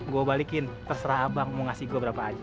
gue balikin terserah abang mau ngasih gue berapa aja